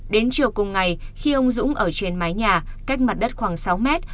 đến chiều cùng ngày khi ông dũng ở trên mái nhà cách mặt đất khoảng sáu mét